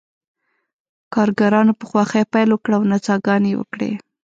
کارګرانو په خوښۍ پیل وکړ او نڅاګانې یې وکړې